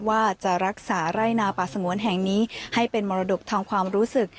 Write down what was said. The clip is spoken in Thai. ว่าจะรักษาไร่นาป่าสงวนแห่งนี้ให้เป็นมรดกทางความรู้สึก